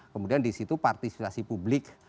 kemudian disitu partisipasi publik